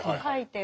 はい。